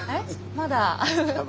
まだ。